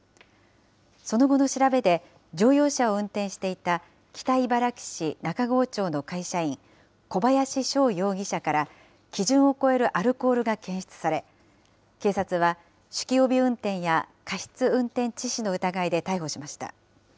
その後の調べで、乗用車を運転していた北茨城市中郷町の会社員、小林翔容疑者から基準を超えるアルコールが検出され、警察は酒気帯び運転や過失運転致死の疑いで逮捕しました。